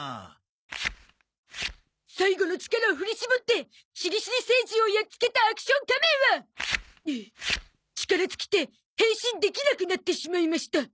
最後の力を振り絞ってシリシリ星人をやっつけたアクション仮面は力尽きて変身できなくなってしまいました。